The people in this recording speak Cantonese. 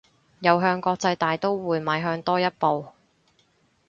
又向國際大刀會邁向多一步